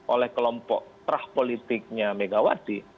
oleh kelompok terah politiknya megawati